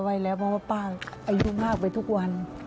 เพราะว่าป้าอายุมากไปทุกวัน